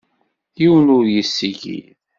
Yiwen ur yessikid.